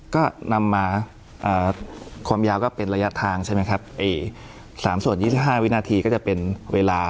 ก็นำมาความยาวก็เป็นระยะทางใช่ไหมครับ๓ส่วน๒๕วินาทีก็จะเป็นเวลา